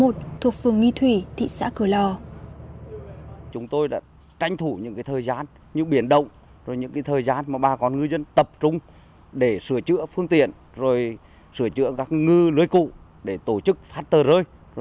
thuộc phường nghi thủy thị xã cửa lò